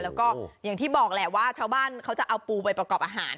แล้วก็อย่างที่บอกแหละว่าชาวบ้านเขาจะเอาปูไปประกอบอาหาร